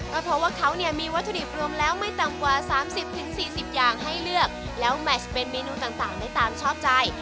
ก็เพราะว่าเขาเนี่ยมีวัตถุดิบรวมแล้วไม่ต่ำกว่า๓๐๔๐อย่างให้เลือกแล้วแมชเป็นเมนูต่างได้ตามชอบใจ